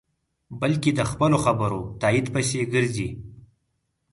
بلکې د خپلو خبرو تایید پسې گرځي.